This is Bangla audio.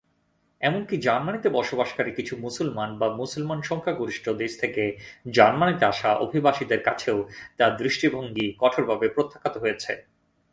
এমনকি জার্মানিতে বসবাসকারী কিছু মুসলমান বা মুসলমান-সংখ্যাগরিষ্ঠ দেশ থেকে জার্মানিতে আসা অভিবাসীদের কাছেও তার দৃষ্টিভঙ্গি কঠোরভাবে প্রত্যাখ্যাত হয়েছে।